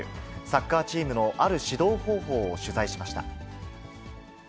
サッカーチームのある指導方法を取材しました。